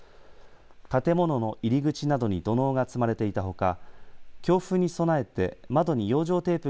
建物の入り口などに土のうが積まれていたほか強風に備えて窓に養生